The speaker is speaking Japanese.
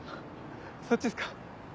そっちっすか。